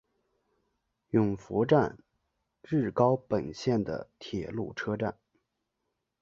勇拂站日高本线的铁路车站。